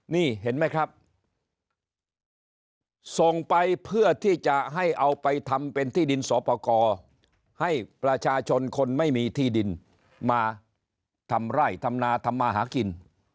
นี่เห็นไหมครับส่งไปเพื่อที่จะให้เอาไปทำเป็นที่ดินสอปกรให้ประชาชนคนไม่มีที่ดินมาทำไร่ทำนาทำมาหากิน